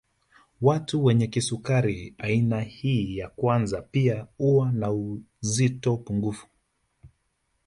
Watu wenye kisukari aina hii ya kwanza pia huwa na uzito pungufu